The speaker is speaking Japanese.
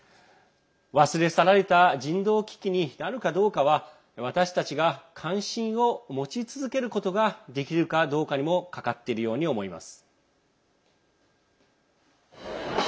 忘れ去られた人道危機になるかどうかは私たちが関心を持ち続けることができるかどうかにもかかっているように思います。